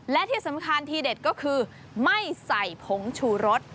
และที่สำคัญทีเด็ดก็คือไม่ใส่ผงชูรส